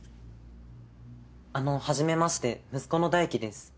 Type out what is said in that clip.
あの初めまして息子の大貴です。